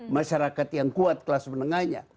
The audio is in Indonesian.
masyarakat yang kuat kelas menengahnya